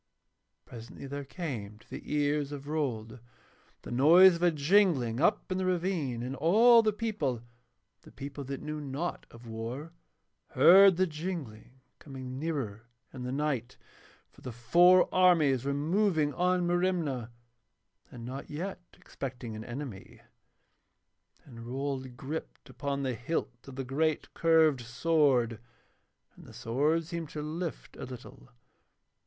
Presently there came to the ears of Rold the noise of a jingling up in the ravine, and all the people, the people that knew naught of war, heard the jingling coming nearer in the night; for the four armies were moving on Merimna and not yet expecting an enemy. And Rold gripped upon the hilt of the great curved sword, and the sword seemed to lift a little.